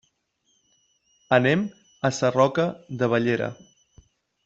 Anem a Sarroca de Bellera.